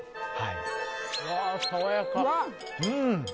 爽やか！